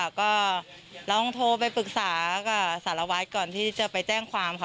ก็ลองโทรไปปรึกษากับสารวัตรก่อนที่จะไปแจ้งความค่ะ